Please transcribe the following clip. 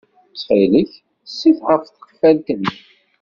Ttxil-k, sit ɣef tqeffalt-nni.